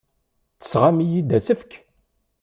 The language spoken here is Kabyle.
Tesɣam-iyi-d asefk?!